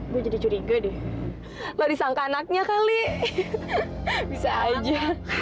gue jadi curiga deh lo disangka anaknya kali bisa aja